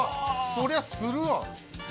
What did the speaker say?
そりゃするわ。